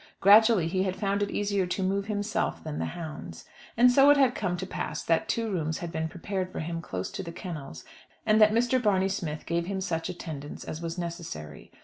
Gradually he had found it easier to move himself than the hounds. And so it had come to pass that two rooms had been prepared for him close to the kennels, and that Mr. Barney Smith gave him such attendance as was necessary.